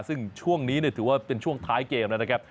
ซึ่งช่วงนี้ถือว่าเป็นช่วงท้ายเกมแล้วนะครับ